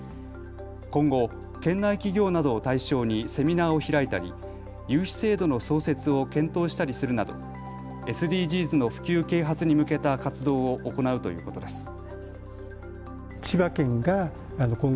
今後、県内企業などを対象にセミナーを開いたり融資制度の創設を検討したりするなどＳＤＧｓの普及啓発に向けた活動を行うということです。